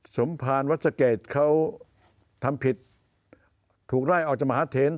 สมภารวัศเกตเขาทำผิดถูกไล่ออกจากมหาเทน